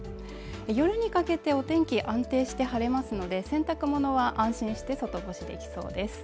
夜にかけてお天気安定して晴れますので洗濯物は安心して外干しできそうです。